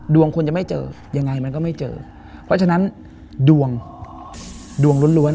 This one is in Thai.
คนจะไม่เจอยังไงมันก็ไม่เจอเพราะฉะนั้นดวงดวงล้วน